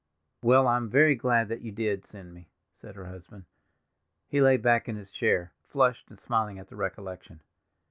"Well, I am very glad that you did send me," said her husband. He lay back in his chair, flushed and smiling at the recollection.